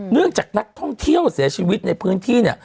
เนื่องจากนักท่องเที่ยวเสียชีวิตในพื้นที่เนี่ย